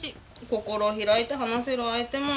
心を開いて話せる相手も。